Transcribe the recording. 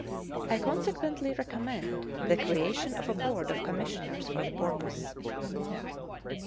I consequently recommend the creation of a board of commissioners for the purpose.